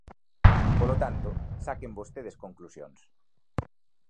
Polo tanto, saquen vostedes conclusións.